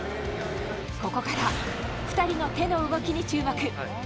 ここから２人の手の動きに注目。